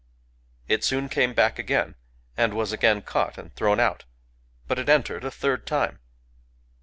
It soon came back again, and was again caught and thrown out; but it entered a third time.